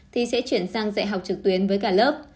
thì sẽ chuyển sang dạy học trực tuyến với cả lớp